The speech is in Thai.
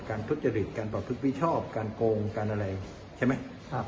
การทรจริทการประทบพิชอบการโกงการอะไรใช่ไหม